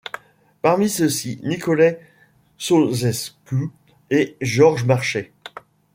Parmi ceux-ci, Nicolae Ceaușescu et Georges Marchais.